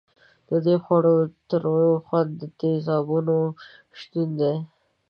د دې خوړو تریو خوند د تیزابونو شتون دی.